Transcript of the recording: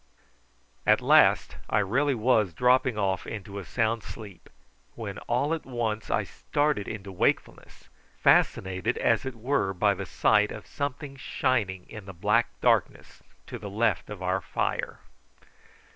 At last I really was dropping off into a sound sleep, when all at once I started into wakefulness, fascinated as it were by the sight of something shining in the black darkness to the left of our fire.